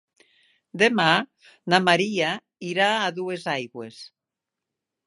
Demà na Maria irà a Duesaigües.